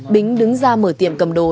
bính đứng ra mở tiệm cầm đồ